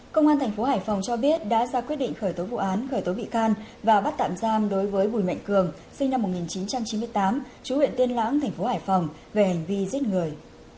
công an tp hải phòng cho biết đã ra quyết định khởi tối vụ án khởi tối bị can và bắt tạm giam đối với bùi mạnh cường sinh năm một nghìn chín trăm chín mươi tám chú huyện tiên lãng tp hải phòng về hành vi giết người